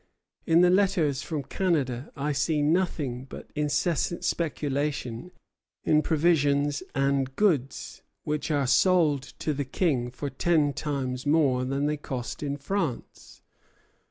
In the letters from Canada I see nothing but incessant speculation in provisions and goods, which are sold to the King for ten times more than they cost in France.